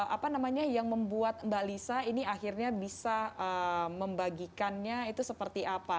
apa namanya yang membuat mbak lisa ini akhirnya bisa membagikannya itu seperti apa